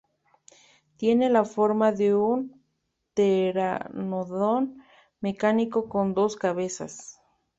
Tiene la forma de un Pteranodon mecánico con dos cabezas.